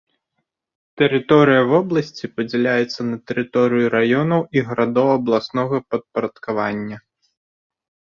Тэрыторыя вобласці падзяляецца на тэрыторыю раёнаў і гарадоў абласнога падпарадкавання.